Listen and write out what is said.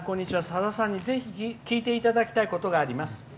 さださんに、ぜひ聞いていただきたいことがあります。